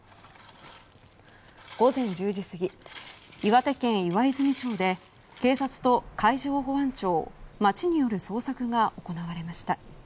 午前１０時過ぎ岩手県岩泉町で警察と海上保安庁、町による捜索が行われました。